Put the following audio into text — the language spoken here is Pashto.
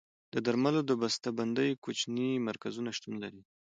د درملو د بسته بندۍ کوچني مرکزونه شتون لري.